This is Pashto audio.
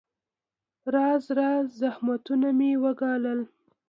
راز راز زحمتونه مې وګالل.